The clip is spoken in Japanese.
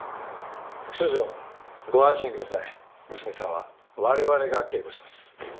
副署長ご安心ください娘さんは我々が警護します。